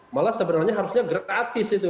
malah sebenarnya harusnya gratis itu